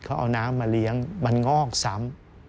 เขาเอาน้ำมาเลี้ยงมันงอกซ้ำ